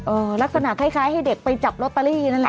ลักษณะคล้ายคล้ายให้เด็กไปจับลอตเตอรี่นั่นแหละ